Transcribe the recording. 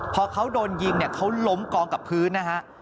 พอเขาโดนยิงเนี่ยเขาล้มกองกับพื้นนะฮะ